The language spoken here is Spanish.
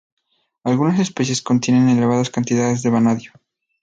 Algunas especies contienen elevadas cantidades de vanadio.